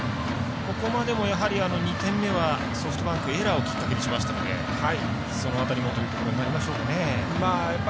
ここまでもやはり２点目はソフトバンク、エラーをきっかけにしましたのでその辺りもとなるでしょうかね。